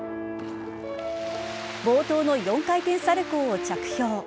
冒頭の４回転サルコウを着氷。